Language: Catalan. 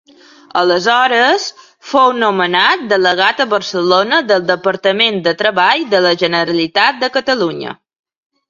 Aleshores fou nomenat delegat a Barcelona del Departament de Treball de la Generalitat de Catalunya.